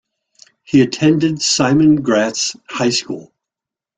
He attended Simon Gratz High School.